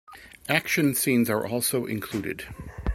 Action scenes are also included.